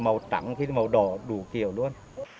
màu trắng khi thì màu đỏ đủ kiểu luôn